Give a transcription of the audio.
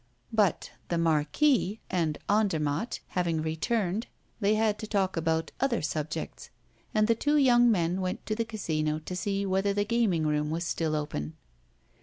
But, the Marquis and Andermatt having returned, they had to talk about other subjects; and the two young men went to the Casino to see whether the gaming room was still open.